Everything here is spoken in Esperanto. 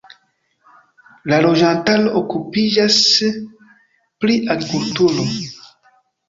La loĝantaro okupiĝas pri agrikulturo.